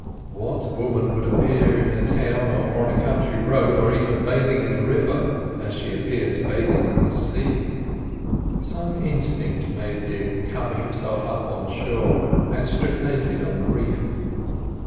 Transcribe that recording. What woman would appear in a town or on a country road, or even bathing in a river, as she appears bathing in the sea? Some instinct made Dick cover himself up on shore, and strip naked on the reef.